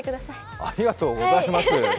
ありがとうございます。